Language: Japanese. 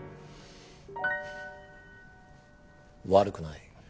悪くない。